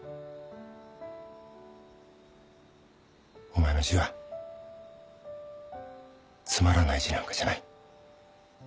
お前の字はつまらない字なんかじゃない。